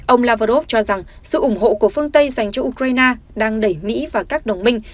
ông lavrov cho rằng sự ủng hộ của phương tây dành cho ukraine đang đẩy mỹ và các đồng minh